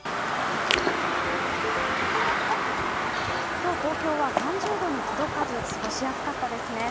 今日、東京は３０度に届かず過ごしやすかったですね。